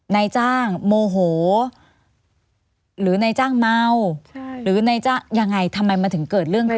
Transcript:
นายจ้างโมโหหรือนายจ้างเมาหรือนายจ้างยังไงทำไมมันถึงเกิดเรื่องขึ้น